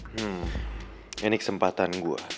hmm ini kesempatan gue